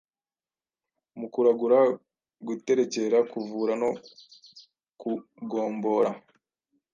mu kuragura, guterekera, kuvura no kugombora